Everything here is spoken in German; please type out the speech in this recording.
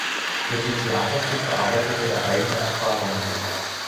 Mit dem Theaterstück verarbeitete er eigene Erfahrungen.